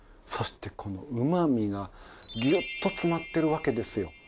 そしてこのうまみがギュッと詰まってるわけですよ。